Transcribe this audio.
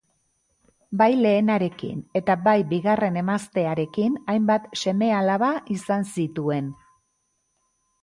Bai lehenarekin eta bai bigarren emaztearekin hainbat seme-alaba izan zituen.